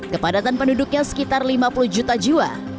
kepadatan penduduknya sekitar lima puluh juta jiwa